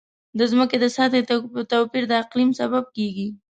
د ځمکې د سطحې توپیر د اقلیم سبب کېږي.